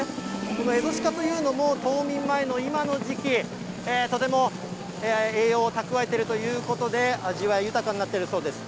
このエゾシカというのも、冬眠前の今の時期、とても栄養を蓄えてるということで、味わい豊かになっているそうです。